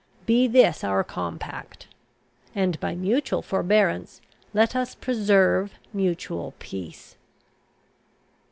Be this our compact; and by mutual forbearance let us preserve mutual peace."